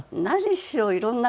何しろ